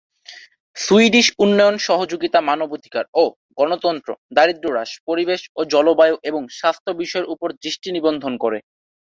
Swedish উন্নয়ন সহযোগিতা মানবাধিকার ও গণতন্ত্র, দারিদ্র্য হ্রাস, পরিবেশ ও জলবায়ু এবং স্বাস্থ্য বিষয়ের উপর দৃষ্টি নিবদ্ধ করে।